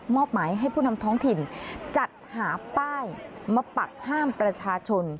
อบหมายให้ผู้นำท้องถิ่นจัดหาป้ายมาปักห้ามประชาชน